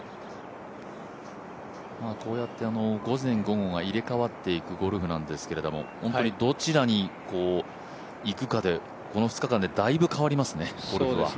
こうやって午前、午後に入れ替わっていくゴルフなんですけれども、どちらにいくかでこの２日間でだいぶ変わりますね、ゴルフは。